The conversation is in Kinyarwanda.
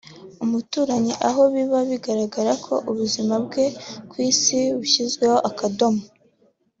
umuturanyi aho biba bigaragaye ko ubuzima bwe ku isi bushyizweho akadomo